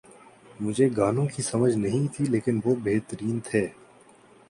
مجھے گانوں کی سمجھ نہیں تھی لیکن وہ بہترین تھے